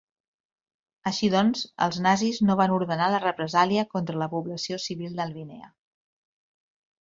Així doncs els nazis no van ordenar la represàlia contra la població civil d'Albinea.